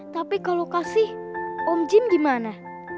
tapi kalau kasih om jim gimana